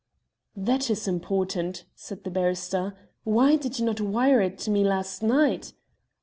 "That is important," said the barrister. "Why did you not wire it to me last night?"